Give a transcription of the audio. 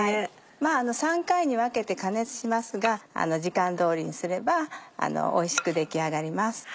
まぁ３回に分けて加熱しますが時間通りにすればおいしく出来上がります。